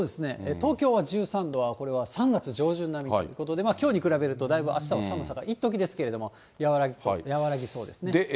東京は１３度は、これは３月上旬並みということで、きょうに比べると、だいぶあしたは寒さがいっときですけど和らぎそうですね。